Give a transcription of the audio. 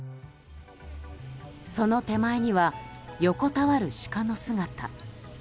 その手前には横たわるシカの姿。